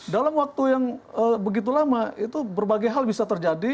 dalam waktu yang begitu lama itu berbagai hal bisa terjadi